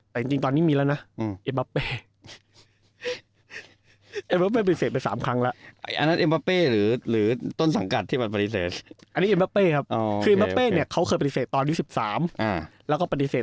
เป็นตอนที่เองมีและนะ